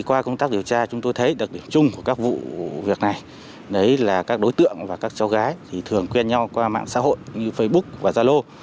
qua công tác điều tra chúng tôi thấy đặc điểm chung của các vụ việc này đấy là các đối tượng và các cháu gái thì thường quen nhau qua mạng xã hội như facebook và zalo